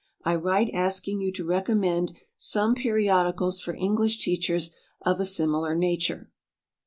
I write asking you to recommend some periodicals for English teachers of a similar nature."